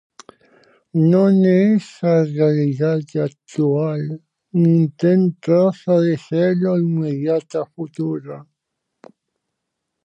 Non é esa a realidade actual nin ten traza de selo a inmediata futura.